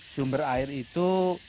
sumber air itu